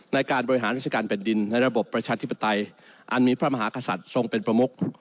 ในการบริหารราชการแผ่นดินในระบบประชาธิปไตยอันมีพระมหากษัตริย์ทรงเป็นประมุก